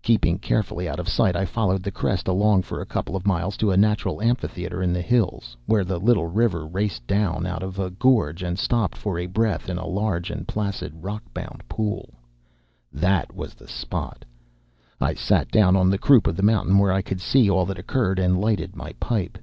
Keeping carefully out of sight, I followed the crest along for a couple of miles to a natural amphitheatre in the hills, where the little river raced down out of a gorge and stopped for breath in a large and placid rock bound pool. That was the spot! I sat down on the croup of the mountain, where I could see all that occurred, and lighted my pipe.